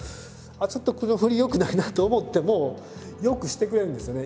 「ちょっとこの振り良くないな」と思っても良くしてくれるんですよね。